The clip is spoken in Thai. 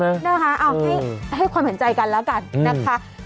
เอาให้ความเห็นใจกันแล้วกันนะคะ